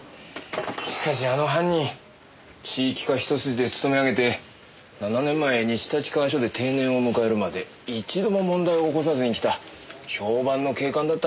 しかしあの犯人地域課一筋で勤め上げて７年前西立川署で定年を迎えるまで一度も問題を起こさずにきた評判の警官だったらしいよ。